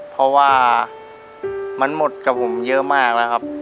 เพราะว่ามันหมดกับผมเยอะมากแล้วครับ